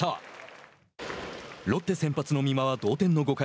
ロッテ先発の美馬は同点の５回。